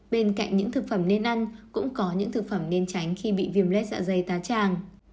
bên cạnh những thực phẩm nên ăn cũng có những thực phẩm nên tránh khi bị viêm lết dạ dày tá tràng